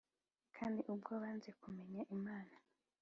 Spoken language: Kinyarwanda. Kandi ubwo banze kumenya Imana